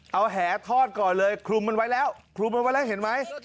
เอาแหทอดก่อนเลยคลุมมันไว้แล้วคลุมมันไว้แล้วเห็นไหม